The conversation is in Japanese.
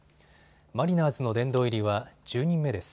マリナーズの殿堂入りは１０人目です。